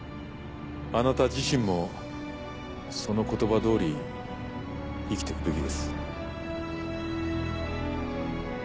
あなた自身もその言葉どおり生きてくべきです。